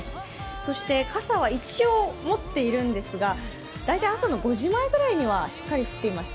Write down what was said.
そして傘は一応持っているんですが大体、朝の５時前ぐらいにはしっかり降っていました。